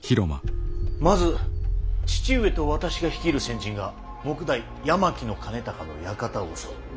まず父上と私が率いる先陣が目代山木兼隆の館を襲う。